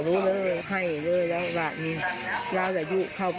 ดูกันให้ใกล้ชิดนะครับเดี๋ยวฟังเสียงหน่อยครับ